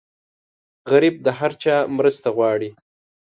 غریب د هر چا مرسته غواړي